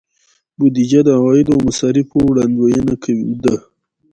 بودیجه د عوایدو او مصارفو وړاندوینه ده.